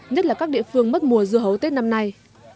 nhất là các địa phương mất mùa dưa hấu tết năm nay